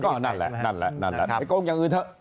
ก็นั่นแหละไม่กงอย่างอื่นเถอะ